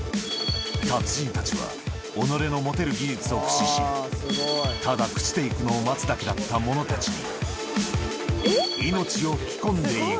達人たちは、己の持てる技術を駆使し、ただ朽ちていくのを待つだけだったものたちに、命を吹き込んでい